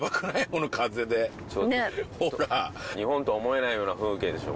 この風でうんねっほら日本とは思えないような風景でしょ